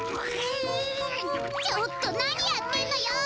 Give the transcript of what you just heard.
ちょっとなにやってんのよ！